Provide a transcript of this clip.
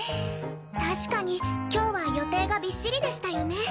確かに今日は予定がびっしりでしたよね。